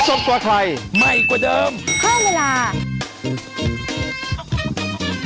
อืมนะครับ